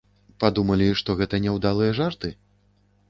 Падумалі, што гэта няўдалыя жарты?